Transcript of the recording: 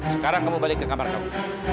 sekarang kamu balik ke kamar kamu